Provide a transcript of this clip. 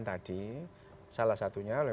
tadi salah satunya oleh